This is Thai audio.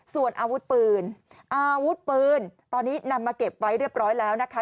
ส่วนอาวุธปืนอาวุธปืนตอนนี้นำมาเก็บไว้เรียบร้อยแล้วนะคะ